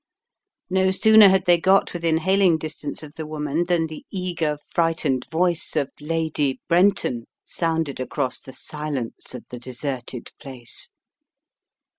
No sooner had they got within hailing distance of the woman than the eager, frightened voice of Lady Brenton sounded across the silence of the deserted place.